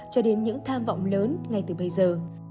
cho đến những tham vọng lớn ngay từ bây giờ